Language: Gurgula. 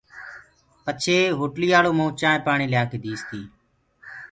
پڇي هوٽلَيآݪو مئونٚ چآنٚه پآڻِيٚ ليآڪي ديٚستيٚ